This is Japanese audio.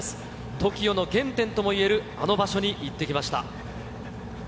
ＴＯＫＩＯの原点ともいえるあの場所に行ってきました。